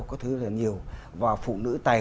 có thứ rất là nhiều và phụ nữ tày